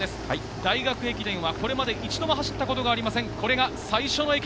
大学駅伝はこれまで一度も走ったことはありません。